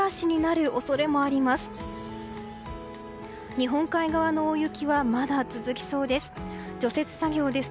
日本海側の大雪はまだ続きそうです。